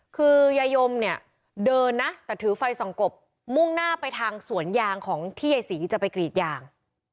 คือยายมเนี่ยเดินนะแต่ถือไฟส่องกบมุ่งหน้าไปทางสวนยางของที่ยายศรีจะไปกรีดยาง